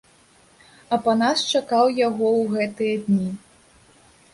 Апанас чакаў яго ў гэтыя дні.